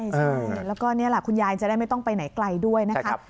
ใช่แล้วก็นี่แหละคุณยายจะได้ไม่ต้องไปไหนไกลด้วยนะคะ